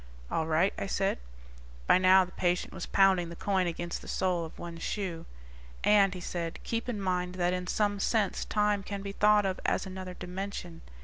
"All right," I said. By now the patient was pounding the coin against the sole of one shoe. "And," he said, "keep in mind that in some sense time can be thought of as another dimension."